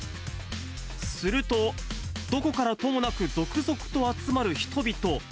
すると、どこからともなく続々と集まる人々。